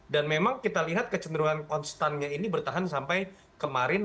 dan memang kita lihat kecenderungan konstannya ini bertahan sampai kemarin